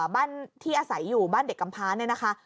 บ้านที่อาศัยอยู่บ้านเด็กกำพาเนี่ยนะคะ